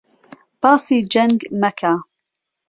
باسی جەنگ مەکە!